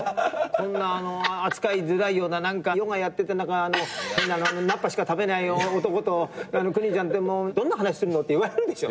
こんな扱いづらいようなヨガやってて菜っ葉しか食べないような男と邦ちゃんってどんな話するの？って言われるでしょ。